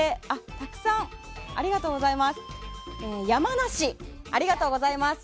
たくさんありがとうございます。